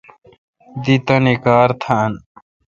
دی تانی کار تھان۔